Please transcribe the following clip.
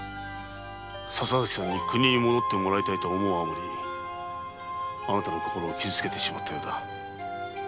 笹崎さんに国に戻ってもらいたいと思うあまりあなたの心を傷つけてしまったようだ。